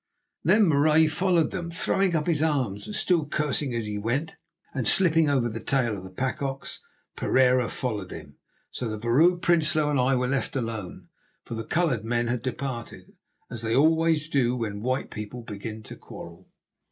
Then Marais followed them, throwing up his arms and still cursing as he went, and, slipping over the tail of the pack ox, Pereira followed him. So the Vrouw Prinsloo and I were left alone, for the coloured men had departed, as they always do when white people begin to quarrel.